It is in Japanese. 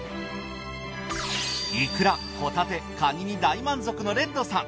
いくらホタテかにに大満足のレッドさん。